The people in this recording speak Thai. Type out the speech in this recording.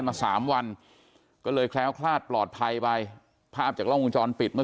มาสามวันก็เลยแคล้วคลาดปลอดภัยไปภาพจากกล้องวงจรปิดเมื่อ